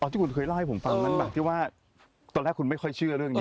ที่คุณเคยเล่าให้ผมฟังนั้นแบบที่ว่าตอนแรกคุณไม่ค่อยเชื่อเรื่องนี้